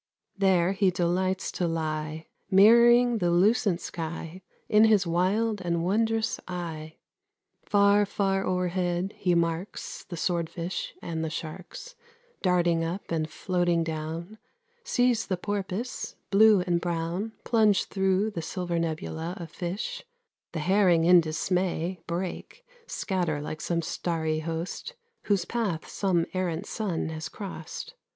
There he delights to lie, Mirroring the lucent sky In his wild and wondrous eye. Far, far o'erhead he marks The swordfish and the sharks Darting up and floating down; Sees the porpoise, blue and brown, Plunge thro' the silver nebula Of fish; the herring in dismay Break, scatter like a starry host Whose path some errant sun has cross'd.